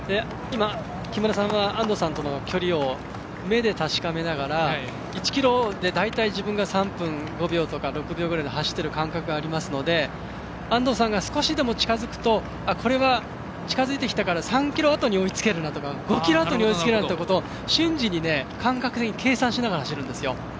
今、木村さんは安藤さんとの距離を目で確かめながら１ｋｍで大体自分が３分５秒とか６秒ぐらいで走っている感覚がありますので安藤さんが少しでも近づくとこれは近づいてきたから３ｋｍあとに追いつけるなとか５ｋｍあとに追いつけるなとか瞬時に感覚で計算しながら走るんですよ。